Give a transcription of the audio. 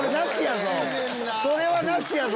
それなしやぞ！